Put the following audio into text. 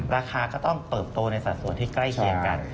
ราคาก็ต้องเติบโตในสัดส่วนที่ใกล้เคียงกัน